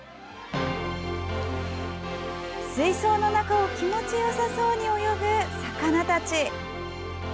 水槽の中を気持ちよさそうに泳ぐ魚たち。